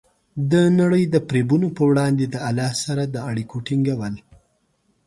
د نړۍ د فریبونو په وړاندې د الله سره د اړیکو ټینګول.